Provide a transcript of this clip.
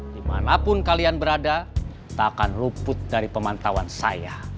dimanapun kalian berada tak akan luput dari pemantauan saya